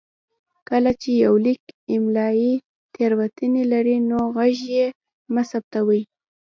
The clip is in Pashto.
کله چې يو ليک املايي تېروتنې لري نو غږ يې مه ثبتوئ.